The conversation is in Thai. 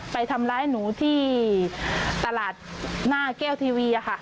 ไปทำร้ายหนูที่ตลาดหน้าแก้วทีวีค่ะ